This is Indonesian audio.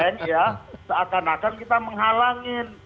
seakan akan kita menghalangin